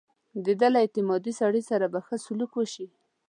د ده له اعتمادي سړي سره به ښه سلوک وشي.